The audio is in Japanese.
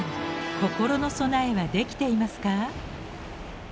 心の備えはできていますか？